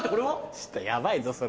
ちょっとヤバいぞそれ。